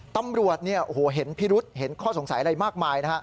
ตำรวจเห็นพิรุษเห็นข้อสงสัยอะไรมากมายนะฮะ